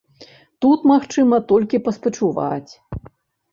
Тут магчыма толькі паспачуваць.